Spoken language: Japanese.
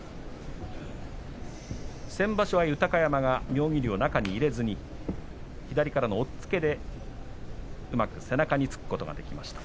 先場所は豊山が妙義龍を中に入れずに左からの押っつけでうまく背中につくことができました。